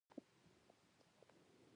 د مکر او چاپلوسۍ اوښکې یې توی کړې